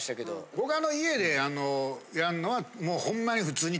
僕は家でやんのはホンマに普通に。